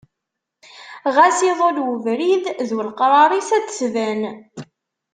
Ɣas iḍul ubrid d uleqrar-is ad d-tban.